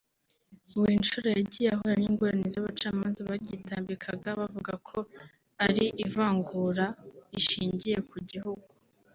Buri nshuro yagiye ahura n’ingorane z’abacamanza baryitambikaga bavuga ko ari ivangura rishingiye ku gihugu